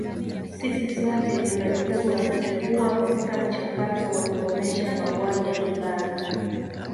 Sisi sote tuna jukumu la kuchukua katika mchakato wa kukomesha mauaji ya kimbari